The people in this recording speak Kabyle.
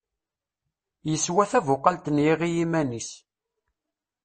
Yeswa tabuqalt n yiɣi iman-is.